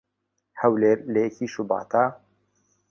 "هەولێر لە یەکی شوباتا"